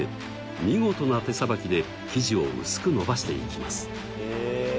見事な手さばきで生地を薄く伸ばしていきます。